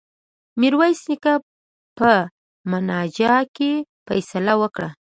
میرويس نیکه په مانجه کي فيصله وکړه.